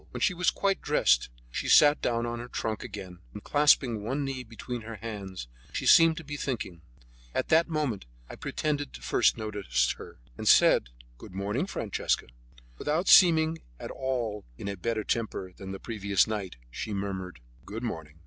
When she was quite dressed, she sat down on her trunk again, and clasping one knee between her hands, she seemed to be thinking. At that moment I pretended to first notice her, and said: "Good morning, Francesca." Without seeming in at all a better temper than the previous night, she murmured, "Good morning!"